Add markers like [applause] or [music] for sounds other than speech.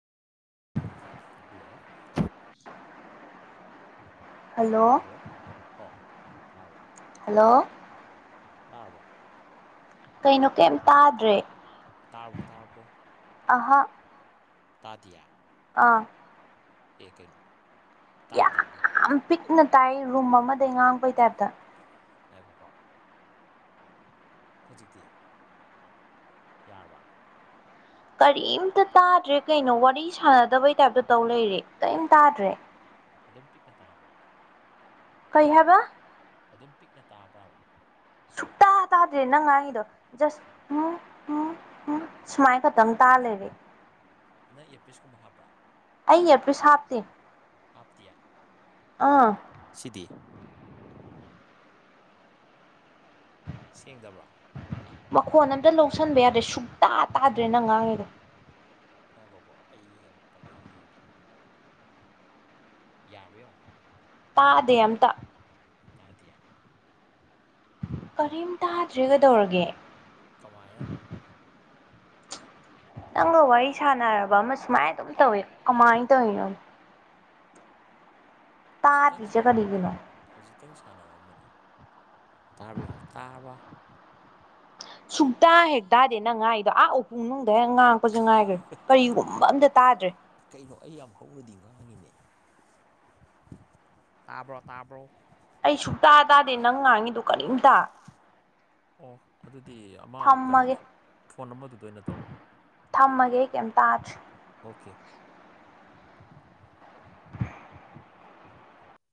ꯎꯝ hello [unintelligible] hello ꯑꯣ ꯇꯥꯕ꯭ꯔ hello ꯇꯥꯔꯕꯣ ꯀꯩꯅꯣ ꯀꯩꯝ ꯇꯥꯗ꯭ꯔꯦ ꯇꯥꯔꯕꯣ ꯇꯥꯔꯕꯣ ꯑꯍꯥ ꯇꯥꯗꯤꯌꯦ ꯑꯥ ꯑꯦ ꯀꯩꯅꯣ ꯌꯥꯝ ꯄꯤꯛꯅ ꯇꯥꯏꯌꯦ ꯔꯨꯝ ꯑꯃꯗꯩ ꯉꯥꯡꯕꯩ ꯇꯥꯏꯞꯇ ꯉꯥꯏꯈꯣꯀꯣ ꯍꯧꯖꯤꯛꯇꯤ ꯌꯥꯔꯕ ꯀꯔꯤꯝꯇ ꯇꯥꯗ꯭ꯔꯦ ꯀꯩꯅꯣ ꯋꯥꯔꯤ ꯁꯥꯟꯅꯗꯕꯩ ꯇꯥꯏꯞꯇ ꯇꯧ ꯂꯩꯔꯦ ꯀꯔꯤꯝ ꯇꯥꯗ꯭ꯔꯦ ꯑꯗꯨꯝ ꯄꯤꯛꯅ ꯇꯥꯕ꯭ꯔ ꯀꯩ ꯍꯥꯏꯕ ꯑꯗꯨꯝ ꯄꯤꯛꯅ ꯇꯥꯕ꯭ꯔꯕ ꯁꯨꯛꯇꯥ ꯇꯥꯗ꯭ꯔꯦ ꯅꯪ ꯉꯥꯡꯉꯤꯗꯣ ꯖꯁ ꯍꯨꯝ ꯍꯨꯝ ꯍꯨꯝ ꯁꯨꯃꯥꯏ ꯈꯇꯪ ꯇꯥ ꯂꯩꯔꯦ ꯅꯪ ꯑꯦꯔꯄꯤ꯭ꯔꯤꯁ ꯀꯨꯝꯕ ꯍꯥꯞꯄ꯭ꯔ [unintelligible] ꯍꯥꯞꯇꯤꯌꯦ ꯑꯥ ꯁꯤꯗꯤ ꯁꯦꯡꯗꯕ꯭ꯔ ꯃꯈꯣꯟ ꯑꯝꯇ ꯂꯧꯁꯤꯟꯕ ꯌꯥꯗ꯭ꯔꯦ ꯁꯨꯛꯇ ꯇꯥꯗ꯭ꯔꯦ ꯅꯪ ꯉꯥꯡꯉꯤꯗꯣ ꯍꯥꯏꯈꯣꯀꯣ ꯑꯩ ꯑꯃꯨꯛꯇꯪꯒ ꯌꯦꯡꯒꯦ ꯌꯥꯔꯕ ꯌꯦꯡꯉꯨ ꯇꯥꯔꯕꯣ ꯑꯝꯇ ꯇꯥꯗꯤꯌꯦ ꯀꯔꯤꯝ ꯇꯥꯗ꯭ꯔꯦ ꯀꯗꯧꯔꯒꯦ ꯀꯃꯥꯏꯅꯅꯣ ꯅꯪꯒ ꯋꯥꯔꯤ ꯁꯥꯟꯅꯔꯕ ꯑꯃ ꯁꯨꯃꯥꯏ ꯑꯗꯨꯝ ꯇꯧꯋꯤ ꯀꯃꯥꯏ ꯇꯧꯔꯤꯅꯣ ꯍꯧꯖꯤꯛꯇꯪ ꯁꯥꯟꯅ ꯍꯧꯖꯤꯛꯇꯪ ꯁꯥꯟꯅꯔꯝꯕꯅꯤ ꯇꯥꯔꯕ ꯌꯦꯡꯉꯨ ꯇꯥꯔꯕ ꯁꯨꯛꯇ ꯍꯦꯛ ꯇꯥꯗꯦ ꯅꯪ ꯉꯥꯡꯏꯗꯣ ꯑꯥ ꯎꯄꯨ ꯃꯅꯨꯡꯗ ꯍꯦꯛ ꯉꯥꯡꯉꯛꯄꯖꯦ ꯉꯥꯏꯒꯔꯦ ꯀꯔꯤꯒꯨꯝꯕꯝꯇ ꯇꯥꯗ꯭ꯔꯦ ꯀꯩꯅꯣ ꯑꯩ ꯌꯥꯝ ꯍꯧꯅꯗꯤ ꯉꯥꯡꯉꯤꯅꯦ ꯇꯥꯕ꯭ꯔꯣ ꯇꯥꯕ꯭ꯔꯣ ꯑꯩ ꯁꯨꯛꯇꯥ ꯇꯥꯗꯦ ꯅꯪ ꯉꯥꯡꯉꯤꯗꯨ ꯀꯔꯤꯝꯇ ꯑꯣ ꯑꯗꯨꯗꯤ ꯑꯃ ꯀꯩꯅꯣ ꯐꯣꯟ ꯑꯃꯗꯨꯗ ꯑꯣꯏꯅ ꯇꯧꯔꯛꯑꯣ ꯊꯝꯃꯒꯦ ꯑꯩ ꯀꯦꯝ ꯇꯥꯗ꯭ꯔꯦ ꯑꯣꯀꯦ